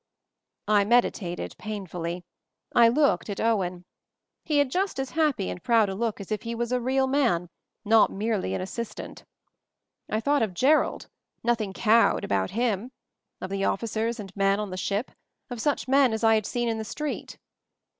I meditated, painfully. I looked at Owen. He had just as happy and proud a look as if he was a real man — not merely an Assist ant. I though of Jerrold — nothing cowed about him; of the officers and men on the ship ; of such men as I had seen in the street.